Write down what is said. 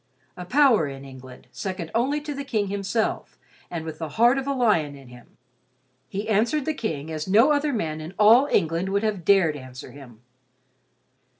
A power in England, second only to the King himself, and with the heart of a lion in him, he answered the King as no other man in all England would have dared answer him.